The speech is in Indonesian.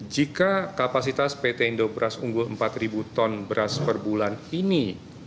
jika kapasitas pt indo beras unggul empat ton beras per bulan ini